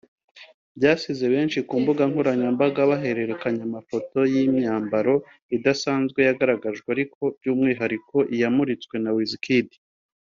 byasize benshi ku mbuga nkoranyambaga bahererekanya amafoto y’imyambaro idasanzwe yagaragajwe ariko by’umwihariko iyamuritswe na Wizkid